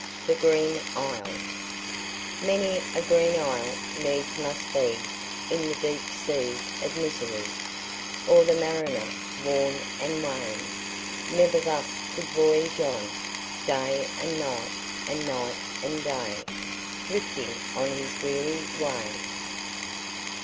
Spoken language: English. THE GREEN ISLE Many a green isle needs must be In the deep sea of misery, Or the mariner, worn and wan, Never thus could voyage on Day and night and night and day, Drifting on his weary way.